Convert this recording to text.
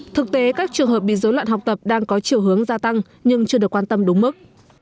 thực tế các trường hợp bị dối loạn học tập đang có chiều hướng gia tăng nhưng chưa được quan tâm đúng mức